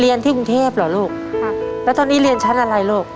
ที่กรุงเทพเหรอลูกค่ะแล้วตอนนี้เรียนชั้นอะไรลูก